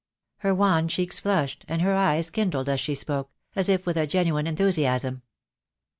Her wan cheeks flushed, and her eyes kindled as she spoke, as if with a genuine enthusiasm.